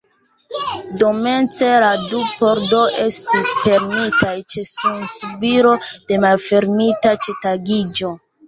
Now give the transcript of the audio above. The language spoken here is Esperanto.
Dekomence la du pordoj estis fermitaj ĉe sunsubiro kaj malfermitaj ĉe tagiĝo.